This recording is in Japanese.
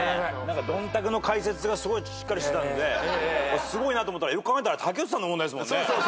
どんたくの解説がすごいしっかりしてたのですごいなと思ったらよく考えたら竹内さんの問題ですもんね。